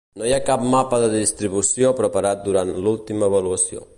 No hi ha cap mapa de distribució preparat durant l'última avaluació.